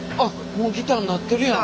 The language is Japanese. もうギターになってるやん。